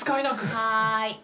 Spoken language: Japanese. はい。